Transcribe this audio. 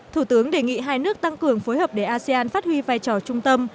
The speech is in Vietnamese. thủ tướng đề nghị hai nước tăng cường phối hợp để asean phát huy vai trò trung tâm